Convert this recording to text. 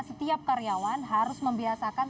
setiap karyawan harus membiasakan